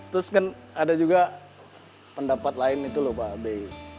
terus kan ada juga pendapat lain itu lho pak b